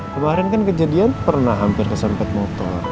kemarin kan kejadian pernah hampir kesempet motor